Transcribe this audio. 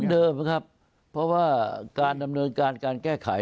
เดิมครับเพราะว่าการดำเนินการการแก้ไข